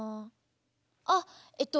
あっえっと